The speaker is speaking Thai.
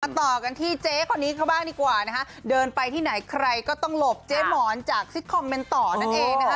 ต่อกันที่เจ๊คนนี้เขาบ้างดีกว่านะคะเดินไปที่ไหนใครก็ต้องหลบเจ๊หมอนจากซิตคอมเมนต่อนั่นเองนะคะ